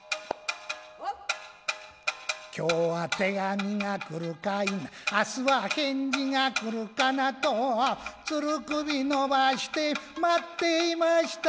今日は手紙が来るかい明日は返事が来るかなと鶴首伸ばして待っていました